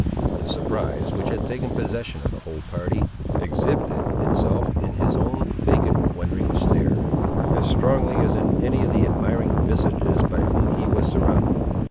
The surprise, which had taken possession of the whole party, exhibited itself in his own vacant wondering stare, as strongly as in any of the admiring visages by whom he was surrounded.